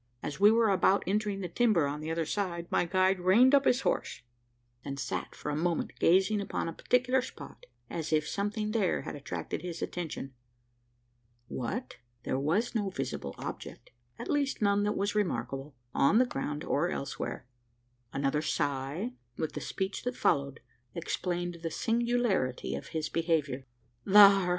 As we were about entering the timber on the other side, my guide reined up his horse; and sat for a moment gazing upon a particular spot as if something there had attracted his attention. What? There was no visible object at least, none that was remarkable on the ground, or elsewhere! Another sigh, with the speech that followed, explained the singularity of his behaviour, "Thar!"